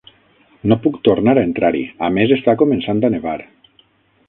No puc tornar a entrar-hi; a més, està començant a nevar.